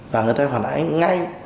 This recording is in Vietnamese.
và người ta phải phản ánh ngay